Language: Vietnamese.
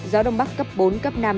gió đông bắc cấp bốn cấp năm